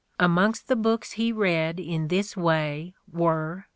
(Amongst the books he read in this way were)